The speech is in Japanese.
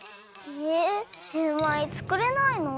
えシューマイつくれないの？